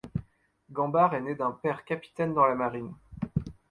Gambart est né d'un père capitaine dans la marine.